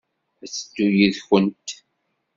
Ad teddu yid-went.